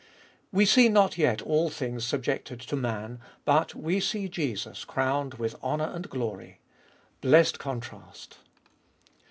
We see not yet all things subjected to man, but — we see Jesus crowned with honour and glory. Blessed contrast